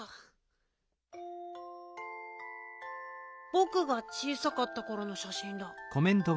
ぼくが小さかったころのしゃしんだ。